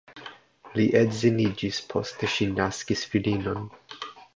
Li edziniĝis, poste ŝi naskis filinon.